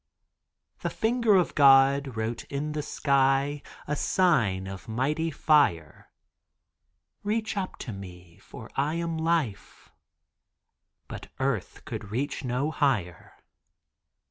The finger of God wrote in the sky A sign of mighty fire: "Reach up to me for I am Life" But earth could reach no higher.